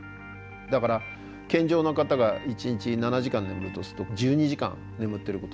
だから健常な方が１日７時間眠るとすると１２時間眠ってることになります。